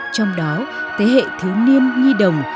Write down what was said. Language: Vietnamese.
trong đó thế hệ thiếu niên nhi đồng